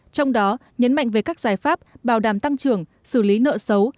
trong đó nhấn mạnh về các giải pháp bảo đảm tăng trưởng xử lý nợ xấu